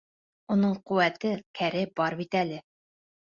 Уның ҡеүәте-кәре бар бит әле.